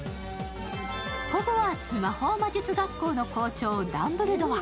ホグワーツ魔法魔術学校の校長、ダンブルドア。